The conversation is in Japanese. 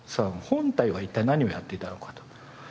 本体は一体何をやっていたのかと。